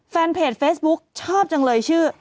แฟนเพจเฟซบุ๊คชอบจังเลยชื่อ